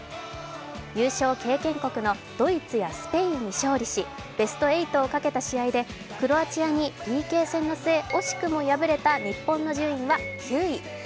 優勝経験国のドイツやスペインに勝利しベスト８をかけた試合でクロアチアにＰＫ戦の末、惜しくも敗れた日本の順位は９位。